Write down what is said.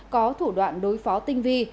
có thủ đoạn đối phó tinh vi